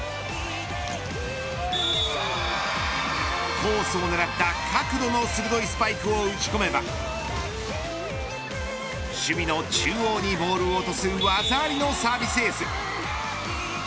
コースを狙った角度の鋭いスパイクを打ち込めば守備の中央にボールを落とす技ありのサービスエース。